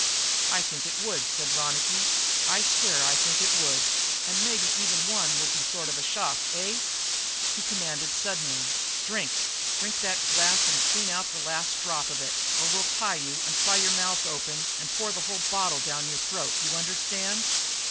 "I think it would," said Ronicky. "I swear I think it would. And maybe even one will be a sort of a shock, eh?" He commanded suddenly: "Drink! Drink that glass and clean out the last drop of it, or we'll tie you and pry your mouth open and pour the whole bottle down your throat. You understand?"